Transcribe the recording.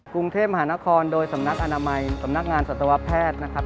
กรุงเทพมหานครโดยสำนักอนามัยสำนักงานสัตวแพทย์นะครับ